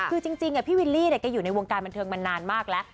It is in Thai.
คือจริงพี่วิลลี่แกอยู่ในวงการบันเทิงมานานมากแล้ว